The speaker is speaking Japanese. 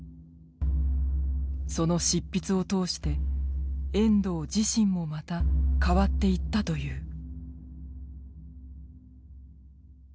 その執筆を通して遠藤自身もまた変わっていったという。